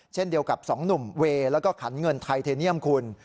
เช่นเดียวกับสองหนุ่มเวย์แล้วก็ขันเงินไทเทเนียมคุณ